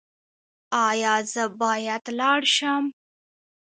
ایا زه باید لاړ شم؟